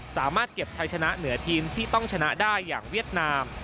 สามารถเก็บชัยชนะเหนือทีมที่ต้องชนะได้อย่างเวียดนาม